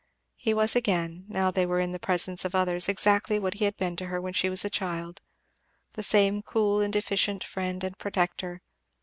He was again, now they were in presence of others, exactly what he had been to her when she was a child, the same cool and efficient friend and protector.